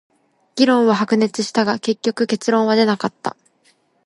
議論は白熱したが、結局結論は出なかった。